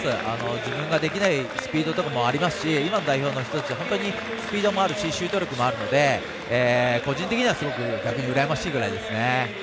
自分ができないスピードとかもありますし今の代表の人たち本当にスピードもあるしシュート力もあるので個人的にはすごく羨ましいぐらいです。